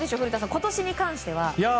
今年に関しては。